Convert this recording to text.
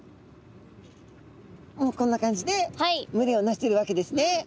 もうこんな感じで群れをなしてるわけですね。